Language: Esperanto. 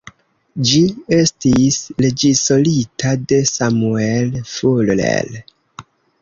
Ĝi estis reĝisorita de Samuel Fuller.